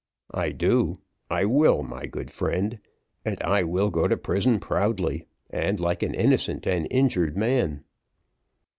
"I do, I will, my good friend, and I will go to prison proudly, and like an innocent and injured man."